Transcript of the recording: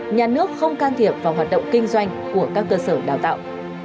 nhà nước không can thiệp vào hoạt động kinh doanh của các cơ sở đào tạo